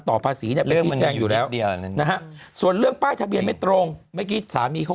ต่อภาษีอยู่แล้วส่วนเรื่องป้ายทะเบียนไม่ตรงเมื่อกี้สามีเขา